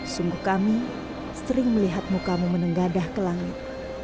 sungguh kami sering melihat mukamu menenggadah ke langit